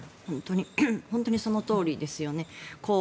本当にそのとおりですよね。